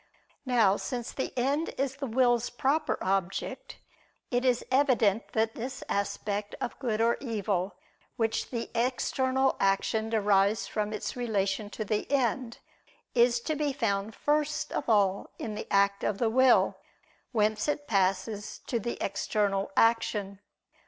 Now, since the end is the will's proper object, it is evident that this aspect of good or evil, which the external action derives from its relation to the end, is to be found first of all in the act of the will, whence it passes to the external action.